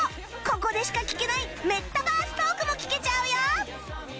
ここでしか聞けないメッタバーストークも聞けちゃうよ！